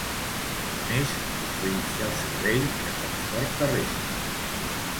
A més, oferix el servici de transport terrestre.